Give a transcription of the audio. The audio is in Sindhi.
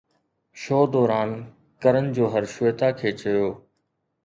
شو دوران ڪرن جوهر شويتا کي چيو